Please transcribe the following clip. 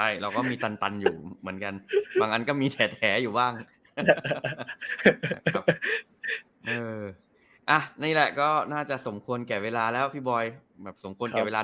เยยแม่งให้แล้วแต่ผมต้องไปนอนแล้วครับไม่ไหวล่ะค่ะ